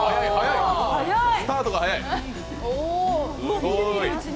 スタートが早い。